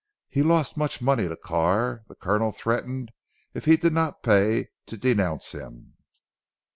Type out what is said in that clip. He lost much money to Carr. The Colonel threatened if he did not pay, to denounce him.